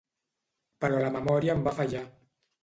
Però la memòria em va fallar.